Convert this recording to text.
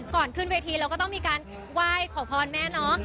ก่อนขึ้นเวทีเราก็ต้องมีการไหว้ขอพรแม่เนาะ